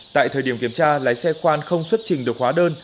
tại thời điểm kiểm tra lái xe khoan không xuất trình được hóa đơn